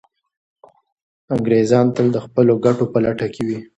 انګریزان تل د خپلو ګټو په لټه کي وي.